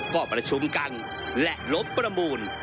ก็ประชุมกันและลบประมูล